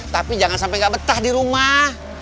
tapi jangan sampai nggak betah di rumah